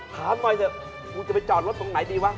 ถามหน่อยเถอะกูจะไปจอดรถตรงไหนดีวะ